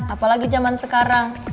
apalagi jaman sekarang